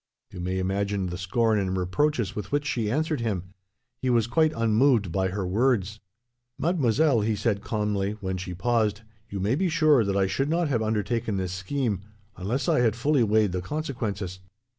You may imagine the scorn and reproaches with which she answered him. He was quite unmoved by her words. "'Mademoiselle,' he said calmly, when she paused, 'you may be sure that I should not have undertaken this scheme, unless I had fully weighed the consequences.